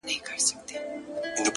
لونگيه دا خبره دې سهې ده!